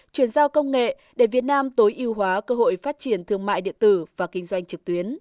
chuyển giao công nghệ để việt nam tối ưu hóa cơ hội phát triển thương mại điện tử và kinh doanh trực tuyến